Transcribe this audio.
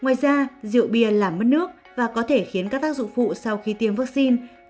ngoài ra rượu bia làm mất nước và có thể khiến các tác dụng phụ sau khi tiêm vaccine